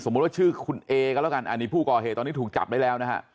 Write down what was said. ว่าชื่อคุณเอก็แล้วกันอันนี้ผู้ก่อเหตุตอนนี้ถูกจับได้แล้วนะฮะ